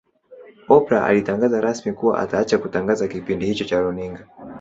Oprah alitangaza rasmi kuwa ataacha kutangaza kipindi hicho cha Runinga